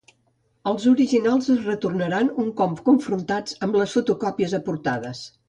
Els originals es retornaran un cop confrontats amb les fotocòpies aportades.